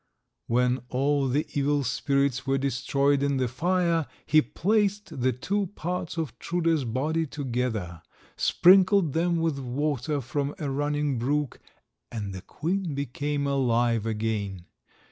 When all the evil spirits were destroyed in the fire, he placed the two parts of Truda's body together, sprinkled them with water from a running brook, and the queen became alive again.